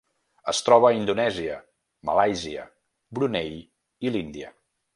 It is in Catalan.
Es troba a Indonèsia, Malàisia, Brunei i l'Índia.